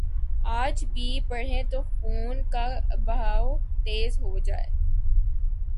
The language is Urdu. آج بھی پڑھیں تو خون کا بہاؤ تیز ہو جائے۔